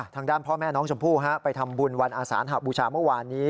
ทางด้านพ่อแม่น้องชมพู่ไปทำบุญวันอาสานหบูชาเมื่อวานนี้